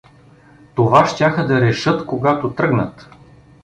Това щяха да решат, когато тръгнат.